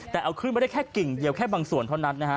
แต่เอาขึ้นมาได้แค่กิ่งเดียวแค่บางส่วนเท่านั้นนะฮะ